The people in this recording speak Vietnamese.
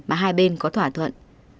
mà hai bên có thỏa thuận